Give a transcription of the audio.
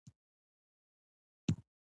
ستر زغم او د تکلیفونو منل غواړي.